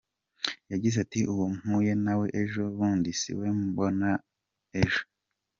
Yagize ati “Uwo mpuye nawe ejo bundi, siwe mbona ejo.